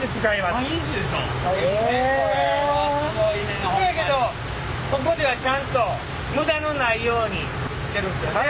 せやけどここではちゃんと無駄のないようにしてるんですよね？